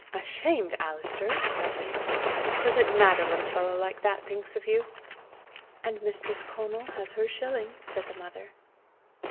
"Ashamed, Alister!" cried Ian. "What does it matter what a fellow like that thinks of you?" "And mistress Conal has her shilling!" said the mother.